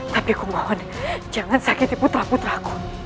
tapi aku mohon jangan sakiti putra putra aku